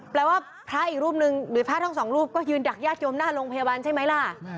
แปลว่าพระอีกรูปหนึ่งหรือพระทั้งสองรูปก็ยืนดักญาติโยมหน้าโรงพยาบาลใช่ไหมล่ะ